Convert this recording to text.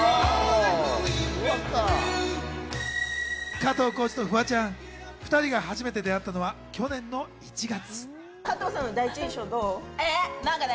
加藤浩次とフワちゃん、２人が初めて出会ったのは去年の１月。